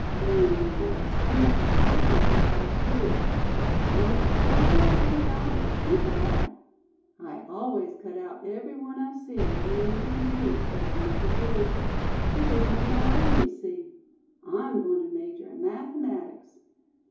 Then, there are some advertisement prizes, too. One for five hundred dollars; think of that! I always cut out every one I see, meaning to compete, but I never do. It isn't in my line, you see. I'm going to major in mathematics."